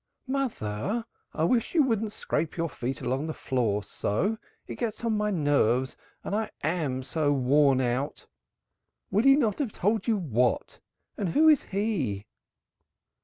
"Mother, I wish you wouldn't scrape your feet along the floor so. It gets on my nerves and I am so worn out. Would he not have told you what? And who's he?"